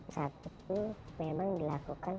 saat itu memang dilakukan